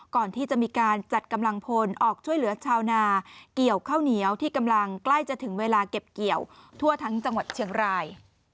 ก่อนที่จะมีการจัดกำลังพลออกช่วยเหลือชาวนาเกี่ยวข้าวเหนียวที่กำลังใกล้จะถึงเวลาเก็บเกี่ยวทั่วทั้งจังหวัดเชียงราย